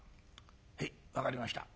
はい分かりました。